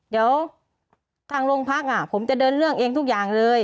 เดี๋ยวทางโรงพักผมจะเดินเรื่องเองทุกอย่างเลย